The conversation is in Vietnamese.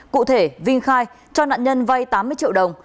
cụ thể vinh khai cho nạn nhân vay tám mươi triệu đồng